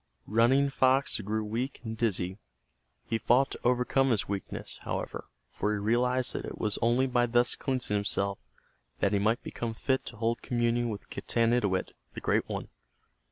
Running Fox grew weak and dizzy. He fought to overcome his weakness, however, for he realized that it was only by thus cleansing himself that he might become fit to hold communion with Getanittowit, the Great One.